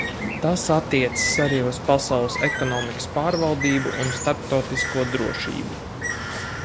Tas attiecas arī uz pasaules ekonomikas pārvaldību un starptautisko drošību.